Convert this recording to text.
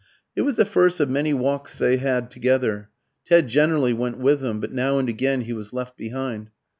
It was the first of many walks they had together. Ted generally went with them, but now and again he was left behind.